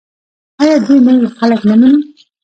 آیا دوی نوي خلک نه مني؟